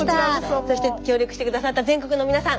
そして協力して下さった全国の皆さん